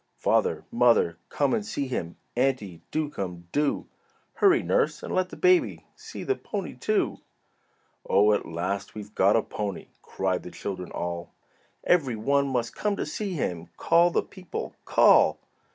"Father! Mother! Come and see him!" "Auntie, do come! do!" "Hurry, nurse, and let the baby See the pony, too." "Oh, at last we've got a pony," Cried the children all. "Every one must come to see him, Call the people! call!"